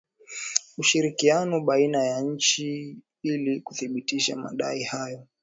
Ushirikiano baina ya nchi ili kuthibitisha madai hayo